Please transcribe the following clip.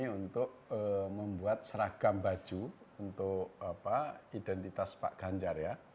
untuk membuat seragam baju untuk identitas pak ganjar ya